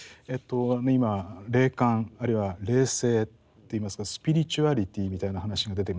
今霊感あるいは霊性っていいますかスピリチュアリティみたいな話が出てまいりましたね。